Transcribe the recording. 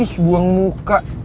ih buang muka